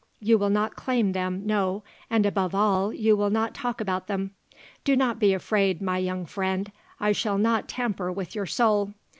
You will not claim them; no, and above all, you will not talk about them. Do not be afraid, my young friend; I shall not tamper with your soul."